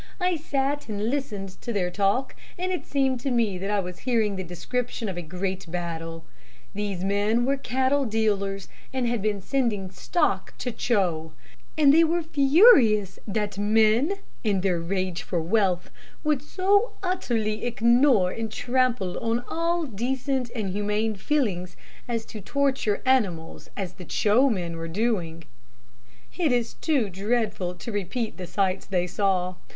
I sat and listened to their talk, and it seemed to me that I was hearing the description of a great battle. These men were cattle dealers, and had been sending stock to Ch o, and they were furious that men, in their rage for wealth, would so utterly ignore and trample on all decent and humane feelings as to torture animals as the Ch o men were doing. "It is too dreadful to repeat the sights they saw.